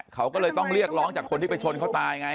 เขาก็เลยต้องเรียกร้องจากคนที่ไปชนเขาตายไง